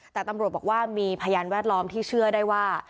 แต่ตำรวจบอกว่ามีพยานแวดล้อมที่เชื่อได้ว่า